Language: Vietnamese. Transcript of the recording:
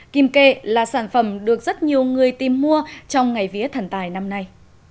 kim kệ là sản phẩm được rất nhiều người tìm mua trong ngày vía thần tài năm nay